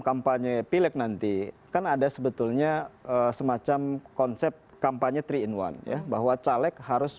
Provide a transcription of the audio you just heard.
kampanye pilek nanti kan ada sebetulnya semacam konsep kampanye tiga in satu ya bahwa caleg harus